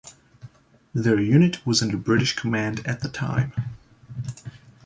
Their unit was under British command at the time.